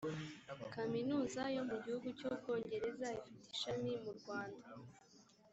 kaminuza yo mu gihugu cy’ubwongereza ifite ishami mu rwanda